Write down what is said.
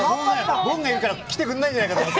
僕がいるから来てくれないじゃないかと思って。